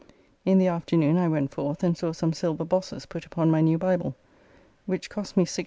In the afternoon I went forth and saw some silver bosses put upon my new Bible, which cost me 6s.